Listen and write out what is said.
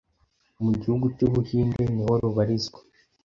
mu Gihugu cy’Ubuhinde niho rubarizwa